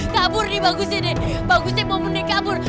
kabur nih bagusnya deh bagusnya mau murni kabur